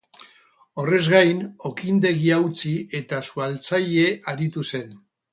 Horrez gain, okindegia utzi eta suhiltzaile aritu zen.